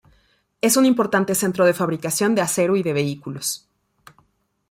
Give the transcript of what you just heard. Es un importante centro de fabricación de acero y de vehículos.